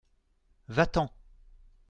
Va-t-en !